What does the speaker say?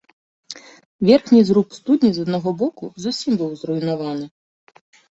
Верхні зруб студні з аднаго боку зусім быў зруйнаваны.